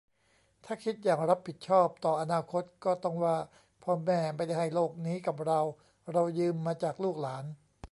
ถ้าคิดอย่างรับผิดชอบต่ออนาคตก็ต้องว่า 'พ่อแม่ไม่ได้ให้โลกนี้กับเรา เรายืมมาจากลูกหลาน'